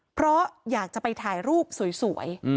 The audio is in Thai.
เพราะอยากจะไปถ่ายรูปสวย